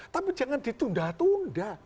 tapi jangan ditunda tunda